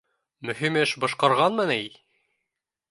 Мөһим эш башҡарғанмы ни!